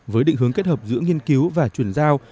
với định hướng kết hợp giữa nghiên cứu và chuyển giao